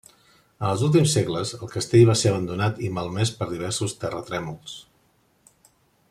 En els últims segles, el castell va ser abandonat i malmès per diversos terratrèmols.